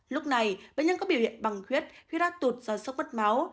lúc này bệnh nhân có biểu hiện bằng khuyết khuyết ra tụt do sốc bất máu